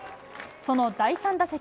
その第３打席。